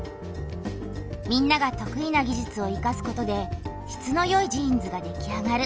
みんなが得意な技術をいかすことで質のよいジーンズができあがる。